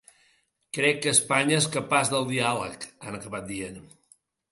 Crec que Espanya és capaç del diàleg, ha acabat dient.